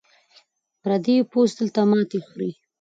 پردی پوځ دلته ماتې خوري.